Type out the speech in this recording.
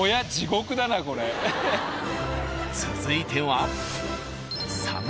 ［続いては］